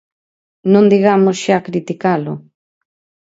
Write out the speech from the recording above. Non digamos xa criticalo.